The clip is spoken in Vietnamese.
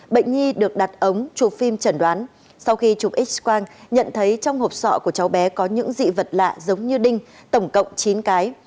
bệnh nhi được đặt ống chụp phim chẩn đoán sau khi chụp x quang nhận thấy trong hộp sọ của cháu bé có những dị vật lạ giống như đinh tổng cộng chín cái